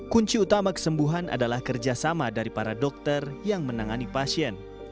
kunci utama kesembuhan adalah kerjasama dari para dokter yang menangani pasien